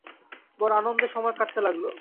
বড় আনন্দে সময় কাটতে লাগল।